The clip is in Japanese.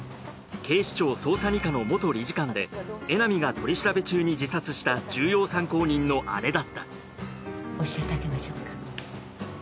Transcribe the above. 警視庁捜査二課の元理事官で江波が取り調べ中に自殺した重要参考人の姉だった教えてあげましょうか？